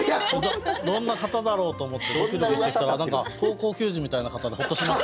どんな方だろうと思ってドキドキしてたら何か高校球児みたいな方でホッとしました。